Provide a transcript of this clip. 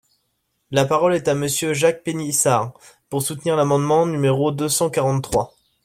La parole est à Monsieur Jacques Pélissard, pour soutenir l’amendement numéro deux cent quarante-trois.